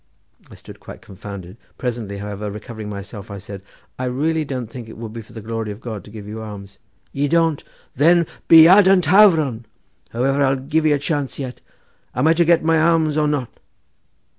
I stood still, quite confounded. Presently, however, recovering myself, I said:—"Really, I don't think it would be for the glory of God to give you alms." "Ye don't! Then, Biadh an taifronn—however, I'll give ye a chance yet. Am I to get my alms or not?"